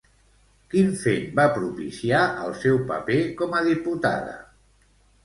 Quin fet va propiciar el seu paper com a diputada?